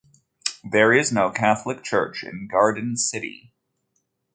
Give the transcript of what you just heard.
There is no Catholic church in Garden City.